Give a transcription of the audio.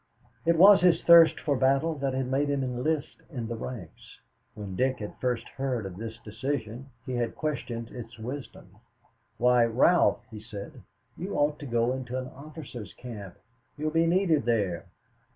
It was his thirst for battle that had made him enlist in the ranks. When Dick had first heard of this decision he had questioned its wisdom. "Why, Ralph," he said, "you ought to go into an officers' camp. You'll be needed there."